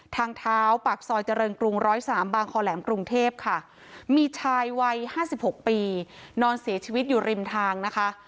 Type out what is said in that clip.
ทางเท้าปากซอยเจริญกรุง๑๐๓บางคอแหลมกรุงเทพค่ะมีชายวัย๕๖ปีนอนเสียชีวิตอยู่ริมทางนะคะ